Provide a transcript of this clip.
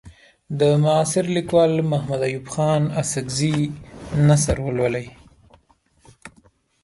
د معاصر لیکوال محمد ایوب خان اڅکزي نثر ولولئ.